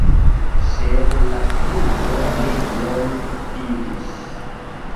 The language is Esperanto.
Sed la klubo ne longe vivis.